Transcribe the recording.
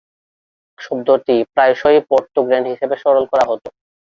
শব্দটি প্রায়শই Porto grand হিসাবে সরল করা হত।